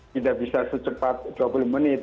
tidak bisa secepat dua puluh menit